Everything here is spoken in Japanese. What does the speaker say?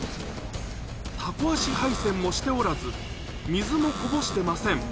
たこ足配線もしておらず、水もこぼしてません。